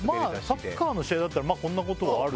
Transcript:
サッカーの試合だったらこんなことはあるね。